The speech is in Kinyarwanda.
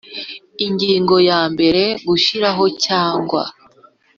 Ingingo ya mbere Gushyiraho cyangwa